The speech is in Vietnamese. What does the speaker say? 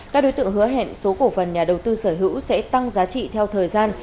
các đối tượng hứa hẹn số cổ phần nhà đầu tư sở hữu sẽ tăng giá trị theo thời gian